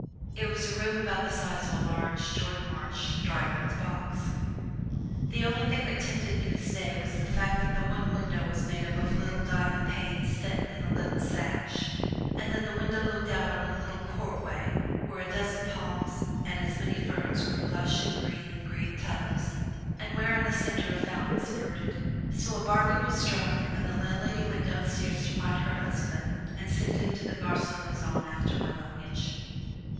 It was a room about the size of a large Jordan Marsh drygoods box. The only thing that tempted me to stay was the fact that the one window was made up of little diamond panes set in a leaden sash, and that this window looked out on a little courtway where a dozen palms and as many ferns grew lush and green in green tubs and where in the center a fountain spurted. So a bargain was struck and the landlady went downstairs to find her husband to send him to the Gare Saint Lazare after my luggage.